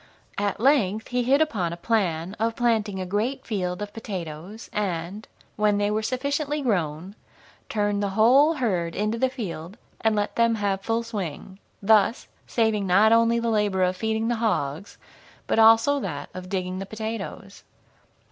At length he hit upon a plan of planting a great field of potatoes, and, when they were sufficiently grown, turned the whole herd into the field and let them have full swing, thus saving not only the labor of feeding the hogs, but also that of digging the potatoes.